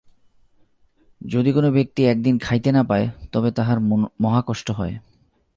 যদি কোন ব্যক্তি একদিন খাইতে না পায়, তবে তাহার মহাকষ্ট হয়।